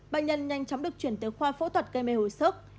bệnh nhân nhanh chóng được chuyển tới khoa phẫu thuật gây mê hồi sức